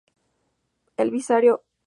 El Vicario Fr.